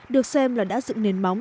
được xem là đã dựng nền móng